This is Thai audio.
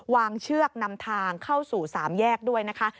เชือกนำทางเข้าสู่สามแยกด้วยนะคะ